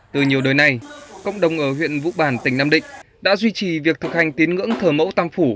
từ nhiều đời này cộng đồng ở huyện vũ bản tỉnh nam định đã duy trì việc thực hành tín ngưỡng thờ mẫu tam phủ